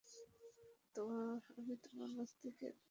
আমি তোমার মস্তিষ্কে বিদ্যুতের গন্ধ পাচ্ছি।